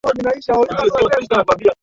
miongoni mwa mashtaka hayo ni lile